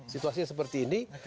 situasi seperti ini